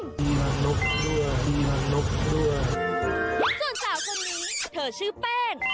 ส่วนสาวคนนี้เธอชื่อแป้ง